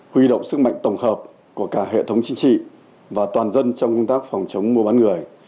huy động sức mạnh tổng hợp của cả hệ thống chính trị và toàn dân trong công tác phòng chống mua bán người